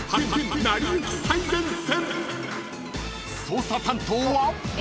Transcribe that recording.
［捜査担当は］